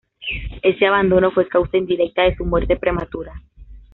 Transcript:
Ese abandono fue causa indirecta de su muerte prematura.